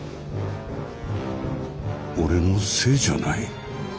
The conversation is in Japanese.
俺のせいじゃない。